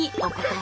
え